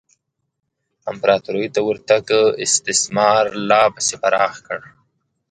امپراتورۍ ته ورتګ استثمار لا پسې پراخ کړ.